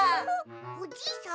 おじいさん？